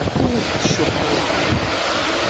Ur ak-tcuḥḥ ara ddunit.